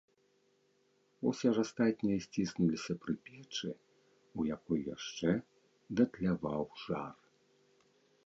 Усе ж астатнія сціснуліся пры печы, у якой яшчэ датляваў жар.